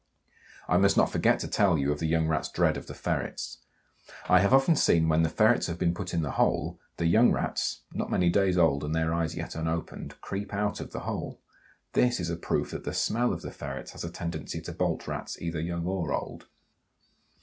I must not forget to tell you of the young Rat's dread of the ferrets. I have often seen when the ferrets have been put in the hole the young Rats (not many days old and their eyes yet unopened) creep out of the hole. This is a proof that the smell of the ferrets has a tendency to bolt Rats, either young or old.